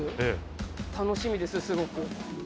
楽しみです、すごく。